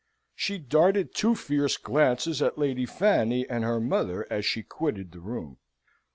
She darted two fierce glances at Lady Fanny and her mother as she quitted the room.